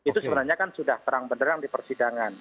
sebenarnya kan sudah terang berang di persidangan